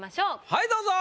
はいどうぞ。